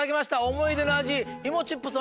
思い出の味芋チップス